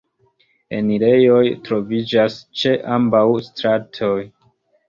Enirejoj troviĝas ĉe ambaŭ stratoj.